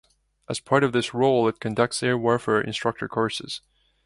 As part of this role it conducts air warfare instructor courses.